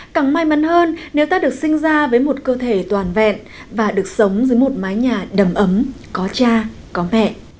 càng may mắn hơn nếu ta được sinh ra với một cơ thể toàn vẹn và được sống dưới một mái nhà đầm ấm có cha có mẹ